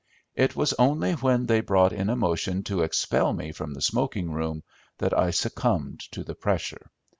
It was only when they brought in a motion to expel me from the smoking room that I succumbed to the pressure.